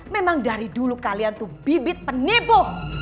memang dari dulu kalian tuh bibit penibo